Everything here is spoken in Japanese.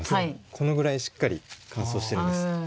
このぐらいしっかり乾燥してるんです。